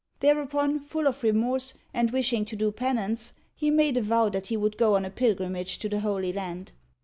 Thereupon, full of remorse, and wishing to do penance, he made a vow that he would go on a pil grimage to the Holy Land.